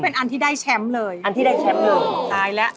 นี่เอาล่ะ